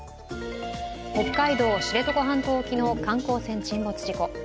北海道・知床半島沖の観光船沈没事故。